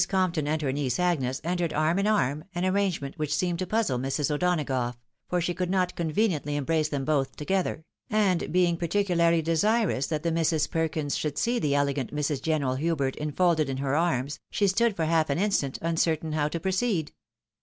Compton and her niece Agnes entered arm in arm, an arrangement which seemed to puzzle Mrs. O'Donagough, for she could not conveniently embrace them both together ; and being particularly desirous that the Misses Perldns should see the elegant Mrs. General Hubert enfolded in her arms, she stood for half an instant, uncertain how to proceed.